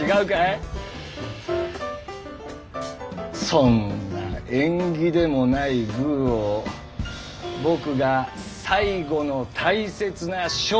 そんな「縁起でもないグー」を僕が最後の大切な勝負で出すと思うのか？